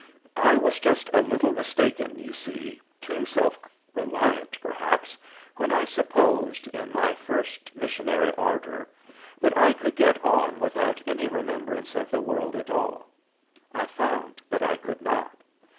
"I was just a little mistaken, you see too self reliant, perhaps when I supposed, in my first missionary ardor, that I could get on without any remembrance of the world at all. I found that I could not.